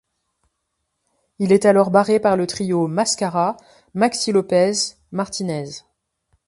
Il est alors barré par le trio Mascara - Maxi Lopez - Martinez.